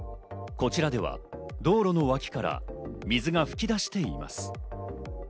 こちらでは道路の脇から水が噴き出しています。